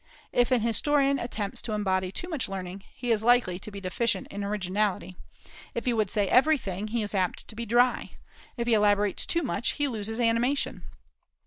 If an historian attempts to embody too much learning, he is likely to be deficient in originality; if he would say everything, he is apt to be dry; if he elaborates too much, he loses animation.